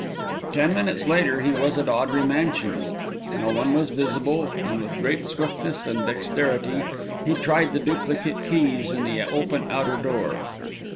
Ten minutes later he was at Audrey Mansions. No one was visible, and with great swiftness and dexterity he tried the duplicate keys in the open outer door.